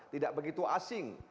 tidak begitu asing